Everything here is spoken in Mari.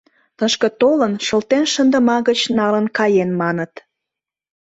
Тышке толын, шылтен шындыма гыч налын каен, маныт.